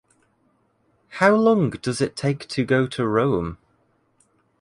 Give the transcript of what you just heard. How long does it take to go to Rome?